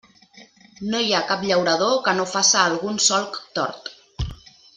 No hi ha cap llaurador que no faça algun solc tort.